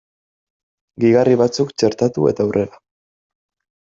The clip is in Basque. Gehigarri batzuk txertatu eta aurrera!